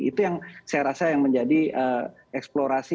itu yang saya rasa yang menjadi eksplorasi